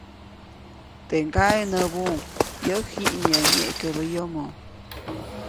Teʼ ŋgaʼe näbuʼuŋ, -yäʼ jiʼnyäʼä nyeʼkäbä yomo-.